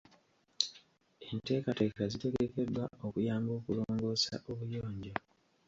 Enteekateeka zitegekeddwa okuyamba okulongoosa obuyonjo.